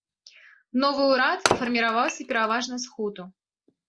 Новы ўрад фарміраваўся пераважна з хуту.